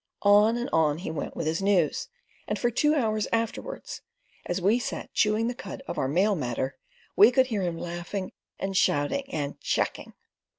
On and on he went with his news, and for two hours afterwards, as we sat chewing the cud of our mail matter, we could hear him laughing and shouting and "chiacking."